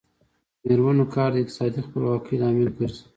د میرمنو کار د اقتصادي خپلواکۍ لامل ګرځي.